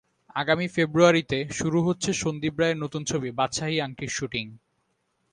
আগামী ফেব্রুয়ারিতে শুরু হচ্ছে সন্দীপ রায়ের নতুন ছবি বাদশাহি আংটির শুটিং।